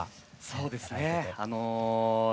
そうですね